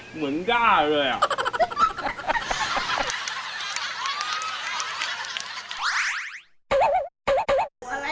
เหมือนแจ้เลยอ่ะ